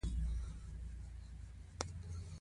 که موټر یخ شي بیا یې چالانول ډیر سخت وي